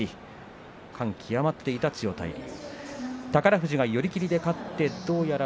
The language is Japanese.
感極まっていた千代大龍。